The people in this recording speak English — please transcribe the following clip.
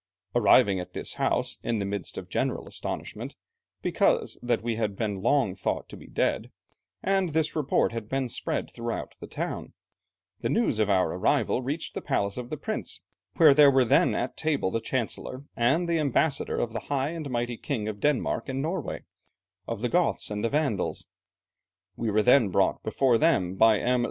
Arrived at this house, in the midst of general astonishment, because that we had been long thought to be dead, and this report had been spread throughout the town, the news of our arrival reached the palace of the prince, where there were then at table the Chancellor, and the Ambassador of the high and mighty King of Denmark and Norway, of the Goths and the Vandals. We were then brought before them by M.